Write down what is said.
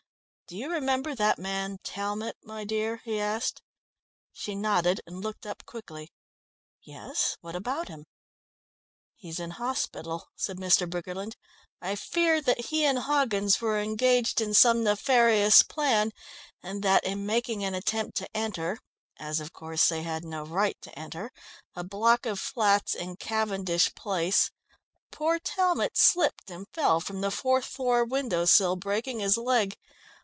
"Do you remember that man Talmot, my dear?" he asked. She nodded, and looked up quickly. "Yes, what about him?" "He's in hospital," said Mr. Briggerland. "I fear that he and Hoggins were engaged in some nefarious plan and that in making an attempt to enter as, of course, they had no right to enter a block of flats in Cavendish Place, poor Talmot slipped and fell from the fourth floor window sill, breaking his leg.